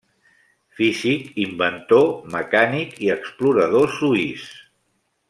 Físic, inventor, mecànic i explorador suís.